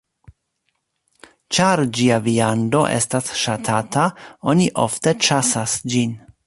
Ĉar ĝia viando estas ŝatata, oni ofte ĉasas ĝin.